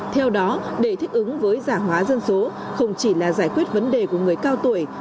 theo đó để thích ứng với giả hóa dân số không chỉ là giải quyết vấn đề của người cao tuổi